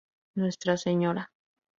Nuestra Sra.